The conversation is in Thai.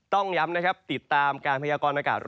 ต้องย้ำติดตามการพยากรณ์อากาศ